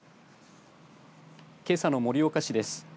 けさの盛岡市です。